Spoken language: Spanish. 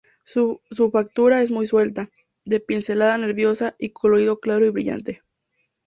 Su factura es muy suelta, de pincelada nerviosa y colorido claro y brillante.